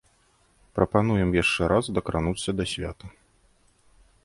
Прапануем яшчэ раз дакрануцца да свята.